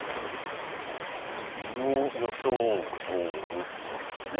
身を装う道具ってことですよね。